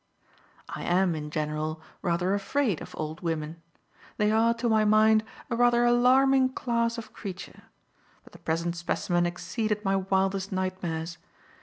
I am, in general, rather afraid of old women. They are, to my mind, a rather alarming class of creature; but the present specimen exceeded my wildest nightmares.